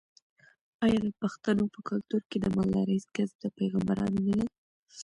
آیا د پښتنو په کلتور کې د مالدارۍ کسب د پیغمبرانو نه دی؟